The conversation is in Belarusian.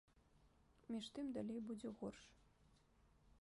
Між тым, далей будзе горш.